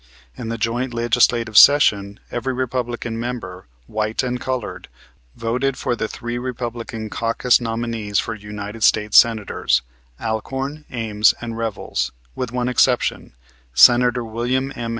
In the joint Legislative session, every Republican member, white and colored, voted for the three Republican caucus nominees for United States Senators, Alcorn, Ames and Revels, with one exception, Senator William M.